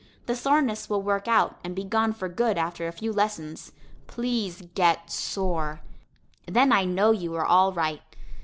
The soreness will work out and be gone for good after a few lessons. Please get sore! Then I know you are all right.